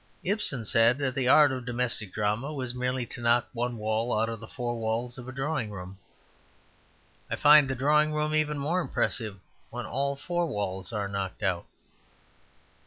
Ibsen said that the art of domestic drama was merely to knock one wall out of the four walls of a drawing room. I find the drawing room even more impressive when all four walls are knocked out.